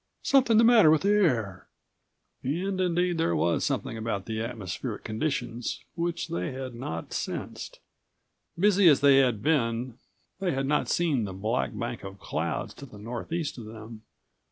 "Something the matter with the air." And indeed there was something about the atmospheric conditions which they had not sensed. Busy as they had been they had not seen the black bank of clouds to the northeast of them.